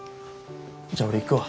じゃあ俺行くわ。